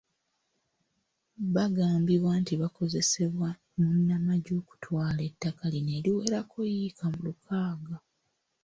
Bagambibwa nti bakozesebwa munnamagye okutwala ettaka lino eriwerako yiika lukaaga.